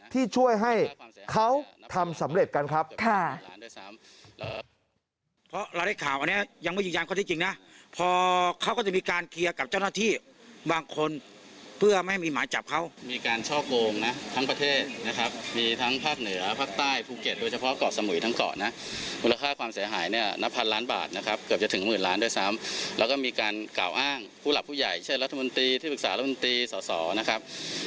ที่ช่วยให้เขาทำสำเร็จกันครับ